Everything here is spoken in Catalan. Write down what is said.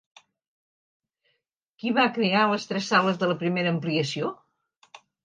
Qui va crear les tres sales de la primera ampliació?